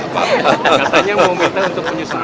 katanya meminta untuk menyusahkan